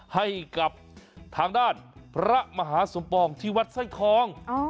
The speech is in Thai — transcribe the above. ให้กับทางด้านพระมหาสมปองที่วัดสร้อยทอง